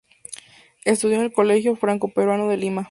Estudió en el Colegio Franco-Peruano de Lima.